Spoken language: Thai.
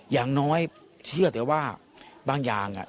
อย่างน้อยเชื่อแต่ว่าบางอย่าง